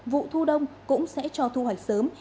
vụ thu đông cũng sẽ cho thu hoạch sớm